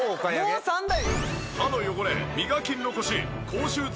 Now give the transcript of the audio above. もう３台？